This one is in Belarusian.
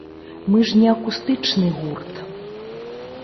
Мы ж не акустычны гурт.